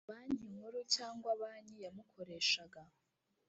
Banki Nkuru cyangwa banki yamukoreshaga